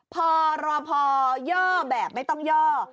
พอรอพอย่อแบบไม่ต้องย่อ